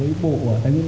với bộ tài nguyên